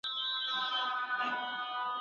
د مغولو مشرانو پرېکړه وکړه چي اسلام ومني.